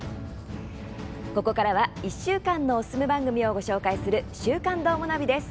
ここからは１週間のおすすめ番組を紹介する「週刊どーもナビ」です。